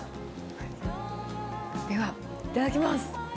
では、いただきます。